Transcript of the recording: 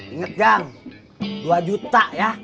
ingat jam dua juta ya